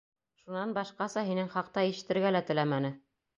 Шунан башҡаса һинең хаҡта ишетергә лә теләмәне.